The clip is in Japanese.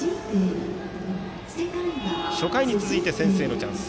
初回に続いて先制のチャンス。